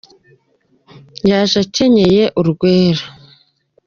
Yaje akenyeye urwera